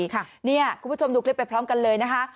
ค่ะเนี้ยคุณผู้ชมดูคลิปไปพร้อมกันเลยนะคะ